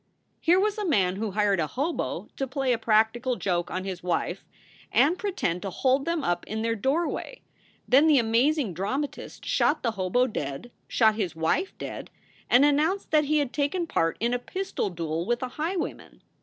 Here was a man who hired a hobo to play a practical joke on his wife and pretend to hold them up in their door way; then the amazing dramatist shot the hobo dead, shot his wife dead, and announced that he had taken part in a pistol duel with a highwayman.